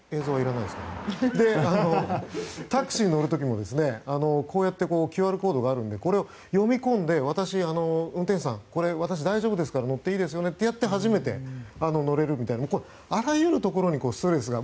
タクシーに乗る時もＱＲコードがあるのでこれを読み込んで運転手さん私、大丈夫ですから乗っていいですよねとやって初めて乗れるということであらゆるところにストレスが。